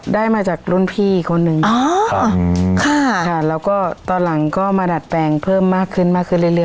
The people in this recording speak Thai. ได้มาจากรุ่นพี่คนหนึ่งอ๋อค่ะค่ะแล้วก็ตอนหลังก็มาดัดแปลงเพิ่มมากขึ้นมากขึ้นเรื่อย